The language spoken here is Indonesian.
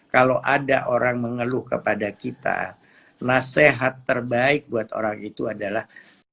kalau ada orang mengeluh kepada kita nasihat terbaik buat orang itu adalah